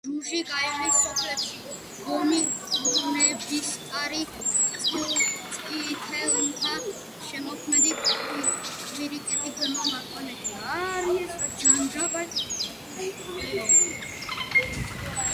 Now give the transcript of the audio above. ბჟუჟი გაივლის სოფლებში: გომი, გონებისკარი, წითელმთა, შემოქმედი, კვირიკეთი, ქვემო მაკვანეთი.